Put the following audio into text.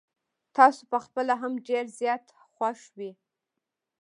تاسو په خپله هم ډير زيات خوښ وې.